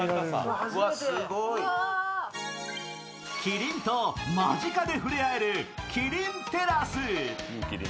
キリンと間近で触れあえるキリンテラス。